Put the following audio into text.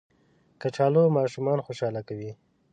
کچالو ماشومان خوشحاله کوي